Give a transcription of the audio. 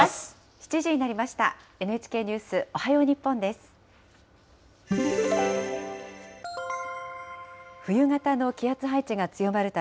７時になりました。